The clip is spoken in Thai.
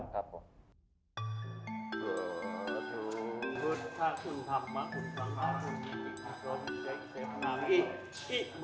ครับผม